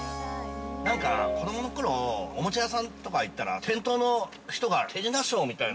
◆なんか子供のころ、おもちゃ屋さんとか行ったら店頭の人が手品ショーみたいな。